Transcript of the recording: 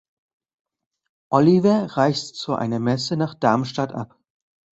Oliver reist zu einer Messe nach Darmstadt ab.